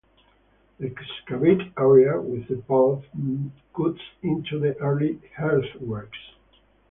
The excavated area with the pond cuts into the earlier earthworks.